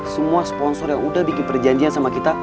semua sponsor yang udah bikin perjanjian sama kita